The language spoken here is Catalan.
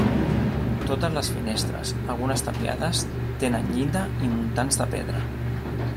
Totes les finestres, algunes tapiades, tenen llinda i muntants de pedra.